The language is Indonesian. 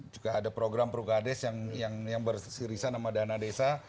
juga ada program prukades yang bersirisan sama dana desa